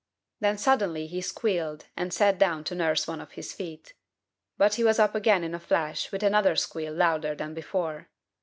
Then suddenly he squealed and sat down to nurse one of his feet. But he was up again in a flash with another squeal louder than before.